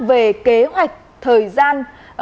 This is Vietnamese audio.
về kế hoạch thời gian